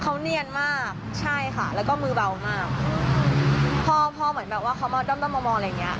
เขาเนียนมากใช่ค่ะแล้วก็มือเบามากพอพอเหมือนแบบว่าเขามาด้อมด้อมมามองอะไรอย่างเงี้